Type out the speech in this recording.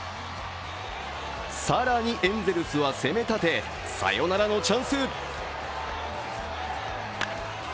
更にエンゼルスは攻めたて、サヨナラのチャンス。